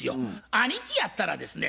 兄貴やったらですね